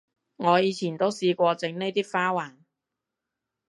我以前都試過整呢啲花環